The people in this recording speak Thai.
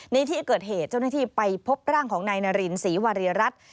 ในที่เกิดเหตุเจ้าหน้าที่ไปพบร่างของนายนารินศรีวรีรัฐ